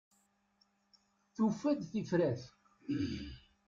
Tufa-d tifrat.